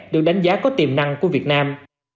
được đánh giá có tiềm năng của việt nam